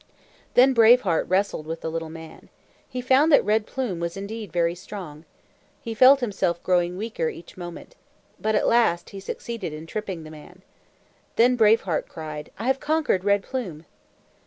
'" Then Brave Heart wrestled with the little man. He found that Red Plume was indeed very strong. He felt himself growing weaker each moment. But at last he succeeded in tripping the man. Then Brave Heart cried, "I have conquered Red Plume!"